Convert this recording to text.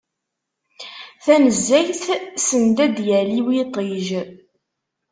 Tanezzayt, send ad d-yali yiṭij.